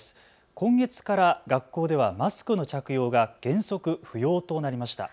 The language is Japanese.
今月から学校ではマスクの着用が原則、不要となりました。